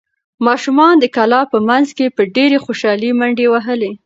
ماشومانو د کلا په منځ کې په ډېرې خوشحالۍ منډې وهلې.